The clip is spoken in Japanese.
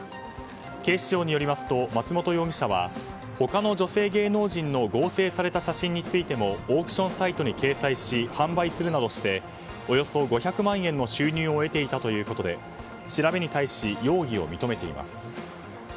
警視庁によりますと松本容疑者は他の女性芸能人の合成された写真についてもオークションサイトに掲載し販売するなどしておよそ５００万円の収入を得ていたということで調べに対し容疑を認めています。